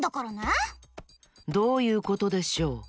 どういうことでしょう？